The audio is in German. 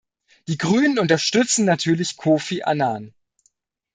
Die Grünen unterstützen natürlich Kofi Annan.